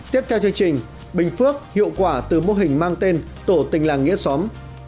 tiếp theo chương trình bình phước hiệu quả từ mô hình mang tên tổ tình làng nghĩa xóm